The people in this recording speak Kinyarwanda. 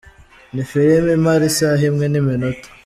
Ni film imara isaha imwe n’iminota.